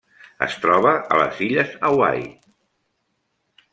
Es troba a les Illes Hawaii: